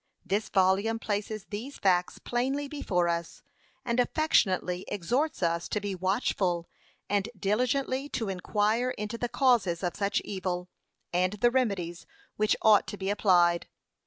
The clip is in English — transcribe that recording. This volume places these facts plainly before us, and affectionately exhorts us to be watchful, and diligently to inquire into the causes of such evil, and the remedies which ought to be applied.